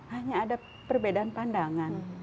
hanya ada perbedaan pandangan